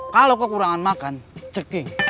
kalau kekurangan makan ceking